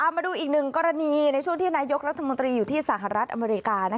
มาดูอีกหนึ่งกรณีในช่วงที่นายกรัฐมนตรีอยู่ที่สหรัฐอเมริกา